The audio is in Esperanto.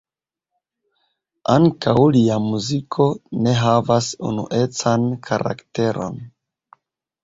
Ankaŭ lia muziko ne havas unuecan karakteron.